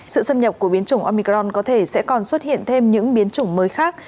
sự xâm nhập của biến chủng omicron có thể sẽ còn xuất hiện thêm những biến chủng mới khác